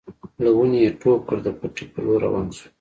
له ونې يې ټوپ کړ د پټي په لور روان شو.